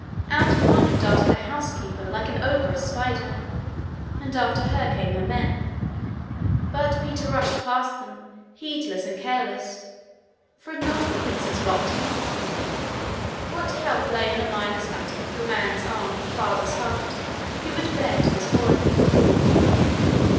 Out upon him darted the housekeeper like an ogress spider, and after her came her men; but Peter rushed past them, heedless and careless for had not the princess mocked him? and sped along the road to Gwyntystorm. What help lay in a miner's mattock, a man's arm, a father's heart, he would bear to his boy.